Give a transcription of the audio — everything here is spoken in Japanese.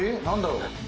何だろう？